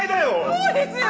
そうですよ！